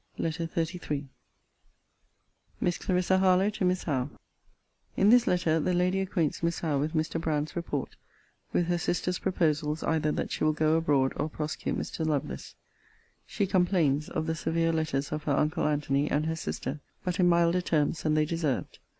LETTER XXXIII MISS CLARISSA HARLOWE, TO MISS HOWE [In this letter, the Lady acquaints Miss Howe with Mr. Brand's report; with her sister's proposals either that she will go abroad, or prosecute Mr. Lovelace. She complains of the severe letters of her uncle Antony and her sister; but in milder terms than they deserved.